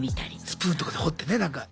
スプーンとかで掘ってねなんか。